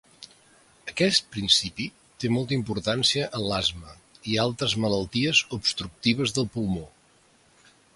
Aquest principi té molta importància en l'asma i altres malalties obstructives del pulmó.